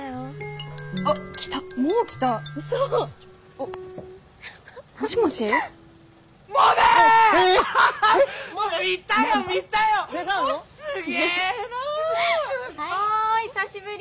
お久しぶり！